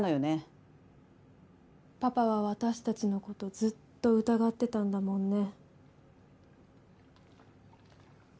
パパは私たちの事ずっと疑ってたんだもんね。